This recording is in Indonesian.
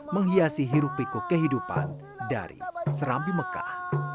menghiasi hirup piku kehidupan dari serabi mekah